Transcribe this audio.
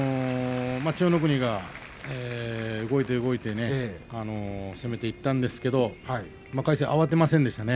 千代の国が動いて動いて攻めていったんですけど魁聖は慌てませんでしたね